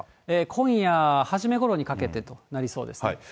今夜初めごろにかけてとなりそうですね。